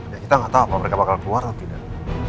ya kita nggak tahu apa mereka bakal keluar atau tidak